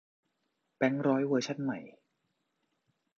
แบงก์ร้อยเวอร์ชันใหม่